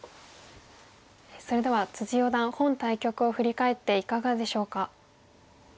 それでは四段本対局を振り返っていかがでしょうか？